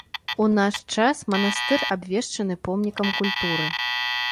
У наш час манастыр абвешчаны помнікам культуры.